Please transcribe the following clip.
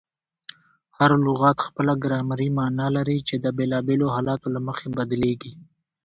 هر لغت خپله ګرامري مانا لري، چي د بېلابېلو حالتو له مخي بدلیږي.